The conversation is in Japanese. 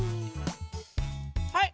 はい！